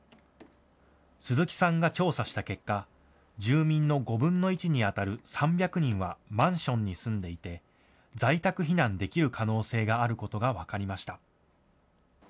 鈴木さんが調査した結果、住民の５分の１に当たる３００人はマンションに住んでいて、在宅避難できる可能性があることが分かりました。